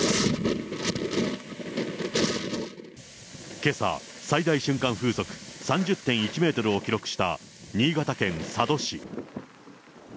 けさ、最大瞬間風速３０．１メートルを記録した新潟県佐渡市。